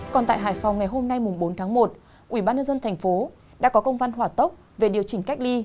còn tại hải phòng ngày hôm nay bốn tháng một ubnd tp đã có công văn hỏa tốc về điều chỉnh cách ly